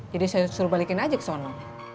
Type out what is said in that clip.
jadi saya suruh balikin aja ke sono